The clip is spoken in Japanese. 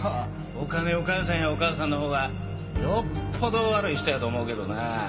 お金を返さへんお母さんのほうがよっぽど悪い人やと思うけどなあ。